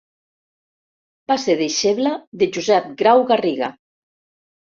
Va ser deixebla de Josep Grau-Garriga.